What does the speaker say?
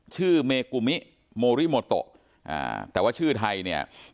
เมกุมิโมริโมโตอ่าแต่ว่าชื่อไทยเนี่ย